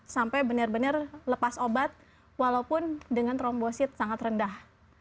sampai benar benar lepas obat walaupun dengan trombosit sangat rendah